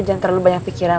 jangan terlalu banyak pikiran